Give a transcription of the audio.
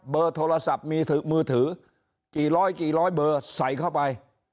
เบอร์โทรศัพท์มือถือมือถือกี่ร้อยกี่ร้อยเบอร์ใส่เข้าไป